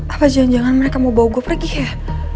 apa jangan jangan mereka mau bawa gue pergi ya